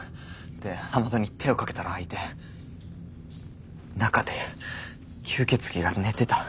で雨戸に手をかけたら開いて中で吸血鬼が寝てた。